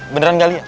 beneran gak lihat